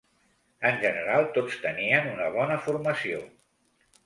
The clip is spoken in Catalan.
En general tots tenien una bona formació.